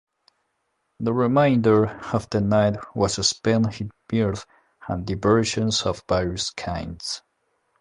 The remainder of the night was spent in mirth and diversions of various kinds.